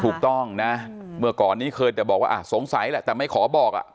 ถูกต้องนะเมื่อก่อนนี้เคยแต่บอกว่าสงสัยแหละแต่ไม่ขอบอกอ่ะ